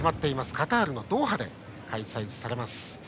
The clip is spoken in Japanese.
カタールのドーハで開催されます。